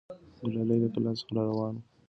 ګلالۍ له کلا څخه راروانه وه.